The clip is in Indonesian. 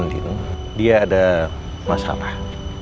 dia ada masalah